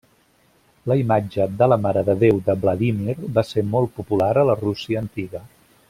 La imatge de la marededéu de Vladímir va ser molt popular a la Rússia antiga.